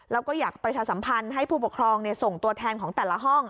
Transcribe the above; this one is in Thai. แล้วก็อยากประชาสัมพันธ์ให้ผู้ปกครองส่งตัวแทนของแต่ละห้อง